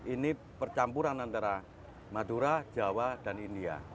ini percampuran antara madura jawa dan india